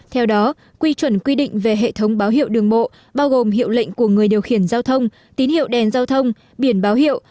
theo đó quy chuẩn quy định về hệ thống báo hiệu đường bộ bao gồm hiệu lệnh của người điều khiển giao thông tín hiệu đèn giao thông biển báo hiệu